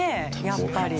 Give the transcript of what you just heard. やっぱり。